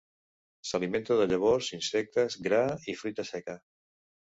S'alimenta de llavors, insectes, gra i fruita seca.